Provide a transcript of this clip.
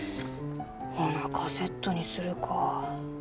ほなカセットにするか。